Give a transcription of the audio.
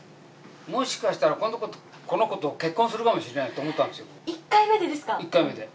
もしかしたら、この子と結婚するかもしれないと思ったんですよ。